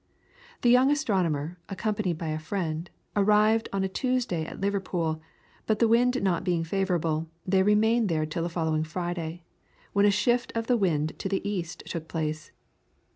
The young astronomer, accompanied by a friend, arrived on a Tuesday at Liverpool but the wind not being favourable, they remained there till the following Friday, when a shift of the wind to the east took place.